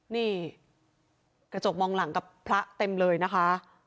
นี่กระจกมองหลังกับพระเต็มเลยนะคะ